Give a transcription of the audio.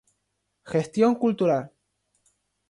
Gestión cultural.